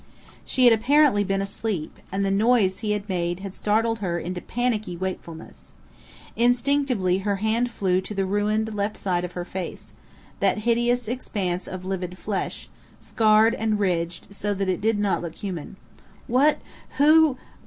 She had apparently been asleep, and the noise he had made had startled her into panicky wakefulness. Instinctively her hand flew to the ruined left side of her face that hideous expanse of livid flesh, scarred and ridged so that it did not look human.... "What ? Who